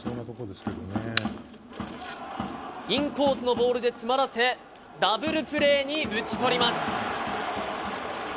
インコースのボールで詰まらせダブルプレーに打ち取ります。